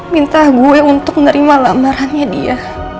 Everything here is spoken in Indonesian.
minta gue untuk menerima lamarannya dia